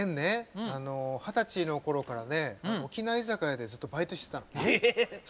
二十歳のころ沖縄居酒屋でずっとバイトしてたの。